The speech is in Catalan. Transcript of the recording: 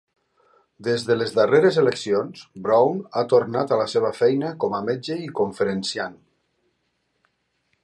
Des de les darreres eleccions, Brown ha tornat a la seva feina com a metge i conferenciant.